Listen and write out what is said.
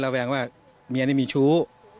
แวงว่าเมียนี่มีชู้